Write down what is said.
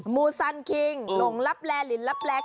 มูซันคิงหลงลับแลลินลับแล